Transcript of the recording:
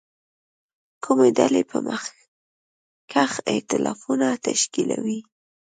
کومې ډلې به مخکښ اېتلافونه تشکیلوي.